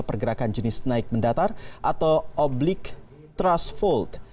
pergerakan jenis naik mendatar atau oblique truss fault